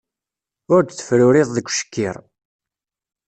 Ur d-tefruriḍ deg ucekkiṛ